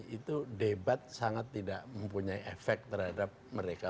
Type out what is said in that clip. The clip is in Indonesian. itu debat sangat tidak mempunyai efek terhadap mereka